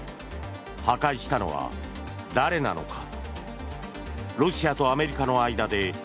破壊したのは誰なのか。